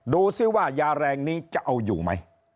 ดูสิว่ายาแรงนี้จะเอาอยู่ไหม